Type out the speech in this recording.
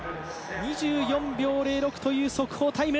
２４秒０６という速報タイム。